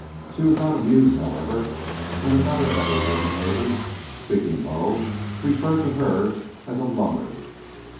She was not amused, however, when another of her woman neighbors, speaking low, referred to her as a "lunger."